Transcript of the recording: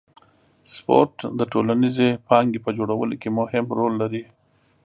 سپورت د ټولنیزې پانګې په جوړولو کې مهم رول لري.